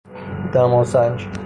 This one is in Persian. دما سنج